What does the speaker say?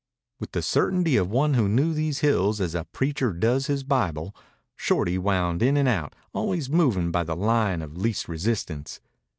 With the certainty of one who knew these hills as a preacher does his Bible, Shorty wound in and out, always moving by the line of least resistance.